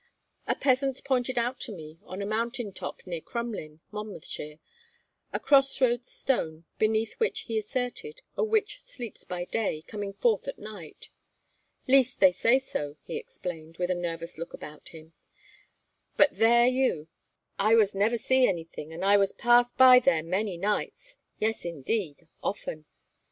A peasant pointed out to me, on a mountain top near Crumlyn, Monmouthshire, a cross roads stone, beneath which, he asserted, a witch sleeps by day, coming forth at night. 'Least they was say so,' he explained, with a nervous look about him, 'but there you! I was never see anything, an' I was pass by there many nights yes, indeed, often.'